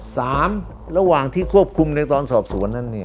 สามระหว่างที่ควบคุมในตอนสอบสวนนั้น